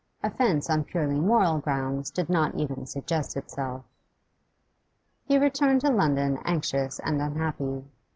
Offence on purely moral grounds did not even suggest itself. He returned to London anxious and unhappy.